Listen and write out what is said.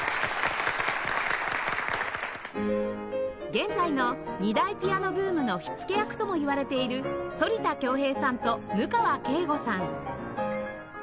現在の２台ピアノブームの火付け役ともいわれている反田恭平さんと務川慧悟さん